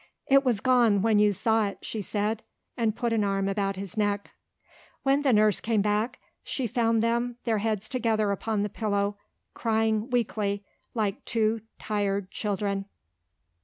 "It was gone when you saw it," she said, and put an arm about his neck. When the nurse came back she found them, their heads together upon the pillow, crying weakly like two tired children.